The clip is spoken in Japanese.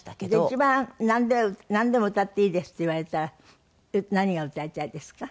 一番なんでも歌っていいですって言われたら何が歌いたいですか？